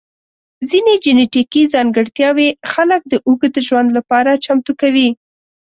ځینې جنیټیکي ځانګړتیاوې خلک د اوږد ژوند لپاره چمتو کوي.